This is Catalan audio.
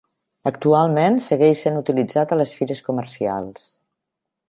Actualment segueix sent utilitzat a les fires comercials.